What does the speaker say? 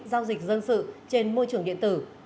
giao dịch dân sự trên môi trường điện tử